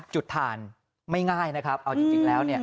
ถ่านไม่ง่ายนะครับเอาจริงแล้วเนี่ย